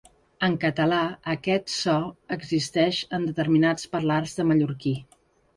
En català aquest so existeix en determinats parlars de mallorquí.